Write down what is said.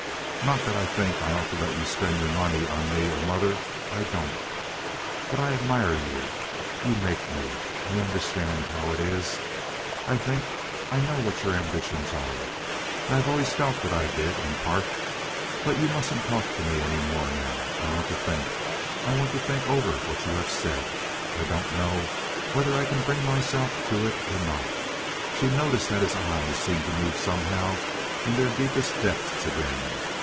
Not that I think I ought to let you spend your money on me or mother—I don't. But I admire you. You make me. I understand how it is, I think. I know what your ambitions are. I have always felt that I did, in part. But you mustn't talk to me any more now. I want to think. I want to think over what you have said. I don't know whether I can bring myself to it or not." (She noticed that his eyes seemed to move somehow in their deepest depths again.)